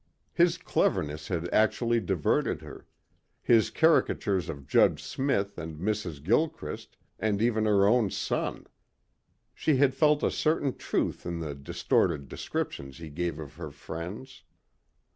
His cleverness had actually diverted her his caricatures of Judge Smith and Mrs. Gilchrist and even her own son. She had felt a certain truth in the distorted descriptions he gave of her friends.